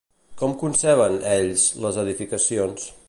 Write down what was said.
Com conceben, ells, les edificacions?